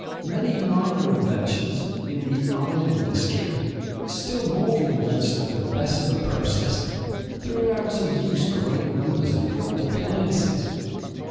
Many minor inventions in the iron industry, still more the invention of the Bessemer process, threw out of use great numbers of the old appliances.